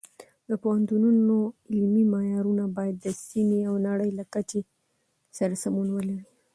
د پوهنتونونو علمي معیارونه باید د سیمې او نړۍ له کچې سره سمون ولري.